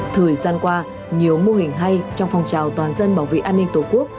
thời gian qua nhiều mô hình hay trong phong trào toàn dân bảo vệ an ninh tổ quốc